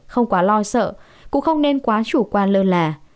không quá lo sợ cũng không nên quá chủ quan lơ là